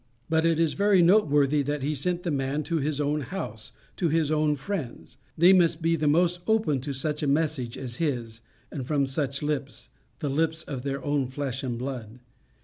But it is very noteworthy that he sent the man to his own house, to his own friends. They must be the most open to such a message as his, and from such lips the lips of their own flesh and blood.